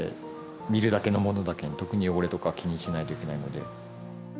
見るだけのものだけん特に汚れとかは気にしないといけないので。